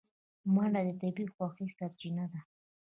منډه د طبیعي خوښیو سرچینه ده